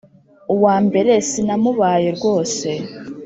uwa mbere sinamubaye rwose,